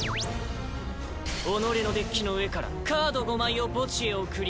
己のデッキの上からカード５枚を墓地へ送り